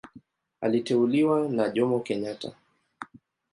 Aliteuliwa na Jomo Kenyatta.